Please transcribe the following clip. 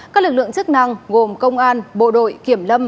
các lực lượng chức năng gồm công an bộ đội kiểm lâm